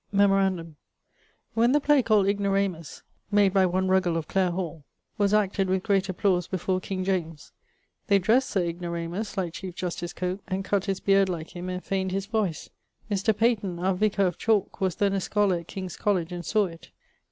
Memorandum: when the play called Ignoramus (made by one Ruggle of Clare hall) was acted with great applause before King James, they dressed Sir Ignoramus like Chief Justice Coke and cutt his beard like him and feigned his voyce. Mr. Peyton, our vicar of Chalke, was then a scholar at Kings College and sawe it.